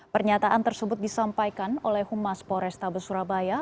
pernyataan tersebut disampaikan oleh humas polrestabes surabaya